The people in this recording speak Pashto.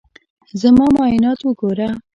زما معاینات وګوره.